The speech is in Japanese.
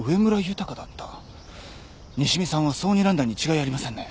西見さんはそうにらんだに違いありませんね。